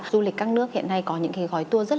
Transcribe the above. du lịch các nước hiện nay có những cái gói tour rất